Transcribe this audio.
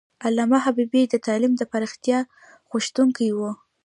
علامه حبیبي د تعلیم د پراختیا غوښتونکی و.